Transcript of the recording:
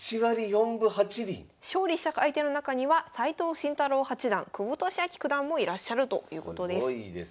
勝利した相手の中には斎藤慎太郎八段久保利明九段もいらっしゃるということです。